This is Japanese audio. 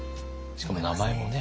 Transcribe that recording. しかも名前もね。